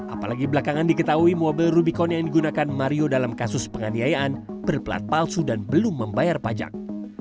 apalagi belakangan diketahui mobil rubicon yang digunakan mario dalam kasus penganiayaan berplat palsu dan belum membayar pajak